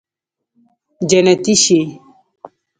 جنتي شې